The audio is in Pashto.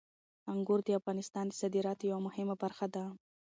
انګور د افغانستان د صادراتو یوه مهمه برخه ده.